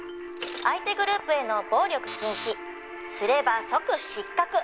「相手グループへの暴力禁止」「すれば即失格」